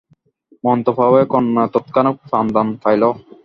মন্ত্রপ্রভাবে কন্যা তৎক্ষণাৎ প্রাণদান পাইল।